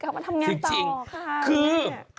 กลับมาทำงานต่อค่ะคือ